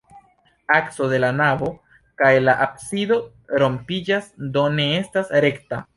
Akso de la navo kaj la absido rompiĝas, do ne estas rekta.